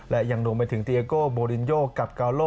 และยังรวมไปถึงเตียโก้โบรินโยกับกาโล